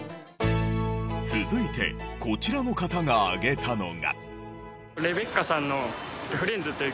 続いてこちらの方が挙げたのが。